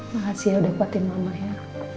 makasih ya udah kuatin mama ya